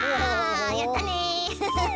やったね！